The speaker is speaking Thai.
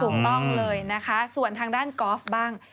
ถูกต้องเลยนะคะส่วนทางด้านกอล์ฟบ้าง